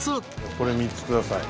これ３つください。